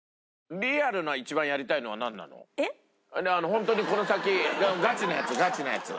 ホントにこの先ガチなやつガチなやつ。